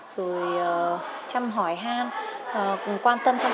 rồi chăm hỏi han quan tâm chăm sóc